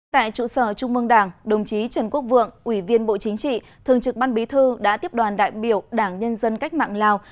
tại trụ sở trung mương đảng đồng chí trần quốc vượng ủy viên bộ chính trị thường trực ban bí thư đã tiếp đoàn đại biểu đảng nhân dân cách mạng lào